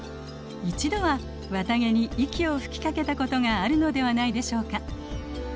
一度は綿毛に息を吹きかけたことがあるのではないでしょうか。